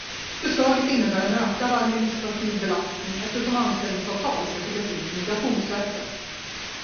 Förslaget innebär en ökad administrativ belastning eftersom anställningsavtal ska skickas in till Migrationsverket.